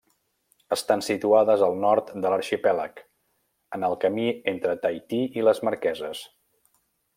Estan situades al nord de l'arxipèlag, en el camí entre Tahití i les Marqueses.